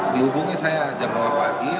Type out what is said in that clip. dihubungi saya jam delapan lagi